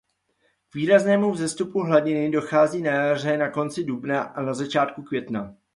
K výraznému vzestupu hladiny dochází na jaře na konci dubna a na začátku května.